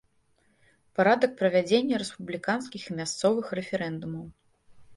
Парадак правядзення рэспубліканскіх і мясцовых рэферэндумаў.